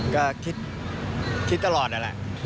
ก็คิดคิดตลอดแหละแหละ